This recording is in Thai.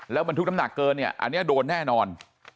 แล้วบรรทุกน้ำหนักเกินเนี่ยอันนี้โดนแน่นอน